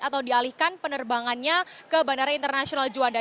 atau dialihkan penerbangannya ke bandara internasional juanda